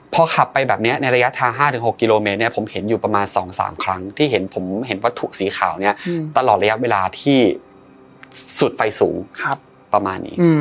พอขับไปแบบนี้ในระยะทาง๕๖กิโลเมตรผมเห็นอยู่ประมาณ๒๓ครั้งที่เห็นผมเห็นวัตถุสีขาวเนี่ยตลอดระยะเวลาที่สุดไฟสูงประมาณนี้